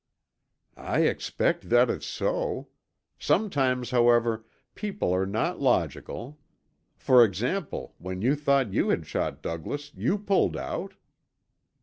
"I expect that is so. Sometimes, however, people are not logical. For example, when you thought you had shot Douglas, you pulled out."